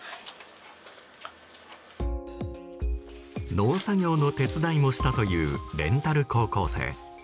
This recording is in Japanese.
農作業の手伝いもしたというレンタル高校生。